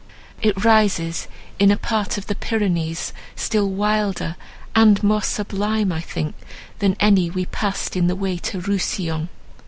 It rises in a part of the Pyrenees, still wilder and more sublime, I think, than any we passed in the way to Rousillon."